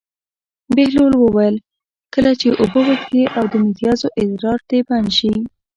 بهلول وویل: کله چې اوبه وڅښې او د متیازو ادرار دې بند شي.